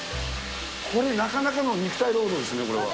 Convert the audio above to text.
これ、なかなかの肉体労働ですね、これは。